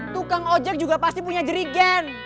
tukang ojek juga pasti punya jerigen